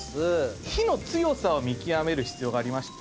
火の強さを見極める必要がありまして。